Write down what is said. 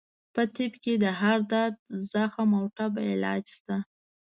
په طب کې د هر درد، زخم او ټپ علاج شته دی.